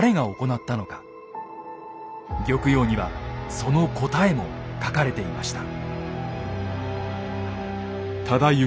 「玉葉」にはその答えも書かれていました。